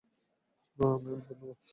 না, ম্যাম, ধন্যবাদ।